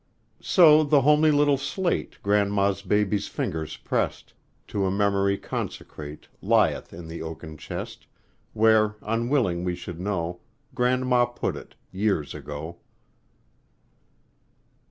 So the homely little slate Grandma's baby's fingers pressed, To a memory consecrate, Lieth in the oaken chest, Where, unwilling we should know, Grandma put it, years ago.